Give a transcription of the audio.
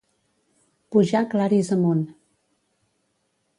Pujà Claris amunt.